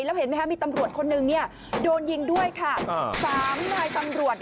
แล้วเห็นไหมคะมีตำรวจคนหนึ่งโดนยิงด้วยค่ะ๓นายตำรวจ